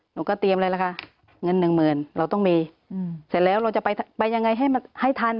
หนูก็เตรียมอะไรละคะเงินหนึ่งหมื่นเราต้องมีอืมเสร็จแล้วเราจะไปไปยังไงให้มันให้ทัน